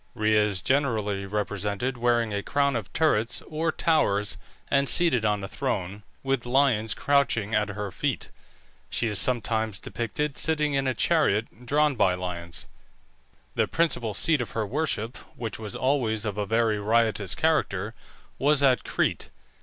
Rhea is generally represented wearing a crown of turrets or towers and seated on a throne, with lions crouching at her feet. She is sometimes depicted sitting in a chariot, drawn by lions. The principal seat of her worship, which was always of a very riotous character, was at Crete.